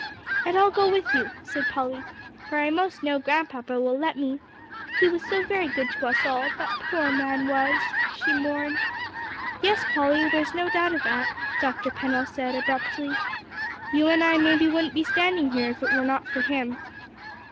"And I'll go with you," said Polly, "for I most know Grandpapa will let me. He was so very good to us all that poor man was," she mourned. "Yes, Polly, there's no doubt of that," Dr. Pennell said abruptly. "You and I maybe wouldn't be standing here if it were not for him."